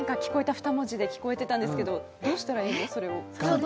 ２文字で聞こえてたんですけど、どうしたらいいの？